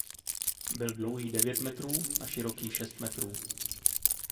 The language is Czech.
Byl dlouhý devět metrů a široký šest metrů.